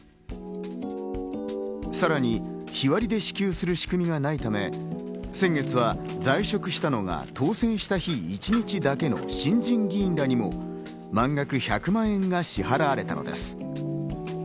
さらに日割りで支給する仕組みがないため、先月は在職したのが当選した日一日だけの新人議員らにも満額１００万円が支払われたのです。